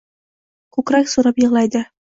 — Ko’krak so’rab yig’laydir…